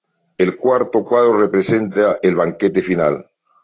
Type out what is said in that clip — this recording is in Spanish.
El cuarto cuadro representa el banquete final.